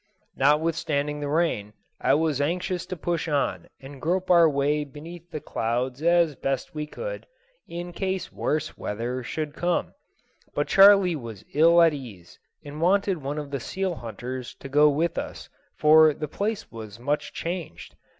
Notwithstanding the rain, I was anxious to push on and grope our way beneath the clouds as best we could, in case worse weather should come; but Charley was ill at ease, and wanted one of the seal hunters to go with us, for the place was much changed.